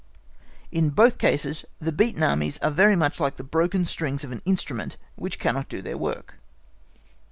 In both cases the beaten Armies are very much like the broken strings of an instrument which cannot do their work.